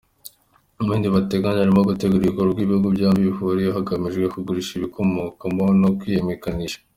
Mu bindi bateganya harimo gutegura ibikorwa ibihugu byombi bihuriyeho hagamijwe kugurisha ibibikomokamo no kwimenyekanisha.